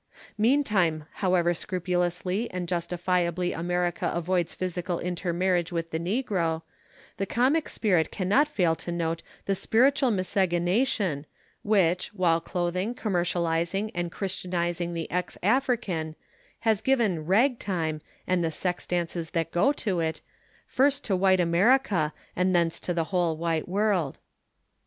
Meantime, however scrupulously and justifiably America avoids physical intermarriage with the negro, the comic spirit cannot fail to note the spiritual miscegenation which, while clothing, commercialising, and Christianising the ex African, has given "rag time" and the sex dances that go to it, first to white America and thence to the whole white world.